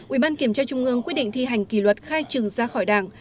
ủy ban kiểm tra trung ương quyết định thi hành kỷ luật khai trừ ra khỏi đảng